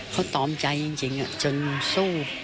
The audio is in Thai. เขาตอมใจจริงจนสู้